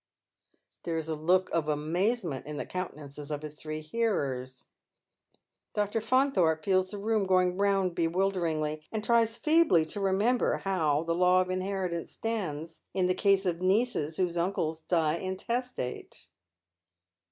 There is a look of amazement in the countenances of his three hearers. Dr. Faunthorpe feels the room going round bewilder ingly, and tries feebly to remember how the b.w of inheritance Btands in the case of nieces whose uncle dies intestate.